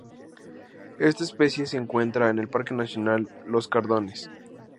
Esta especie se encuentra en el Parque Nacional Los Cardones.